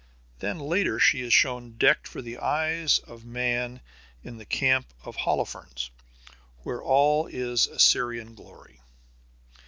Then later she is shown decked for the eyes of man in the camp of Holofernes, where all is Assyrian glory.